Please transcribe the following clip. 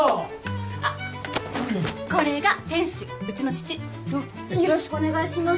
あっこれが店主うちの父あっよろしくお願いします